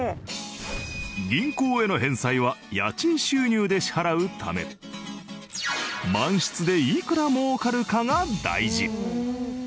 銀行への返済は家賃収入で支払うため満室でいくら儲かるかが大事。